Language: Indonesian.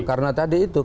karena tadi itu